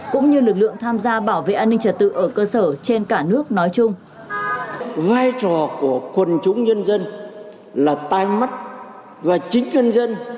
cũng như lực lượng tham gia bảo vệ an ninh trật tự ở cơ sở trên cả nước nói chung